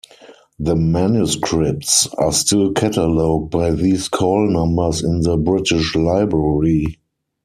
The manuscripts are still catalogued by these call numbers in the British Library.